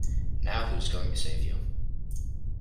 Now who is going to save you?